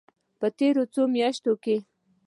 په تېرو څو میاشتو کې